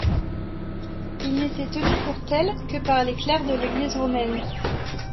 Ils n'étaient tenus pour tels que par les clercs de l'Église romaine.